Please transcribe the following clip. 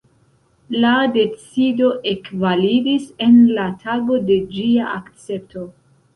La decido ekvalidis en la tago de ĝia akcepto.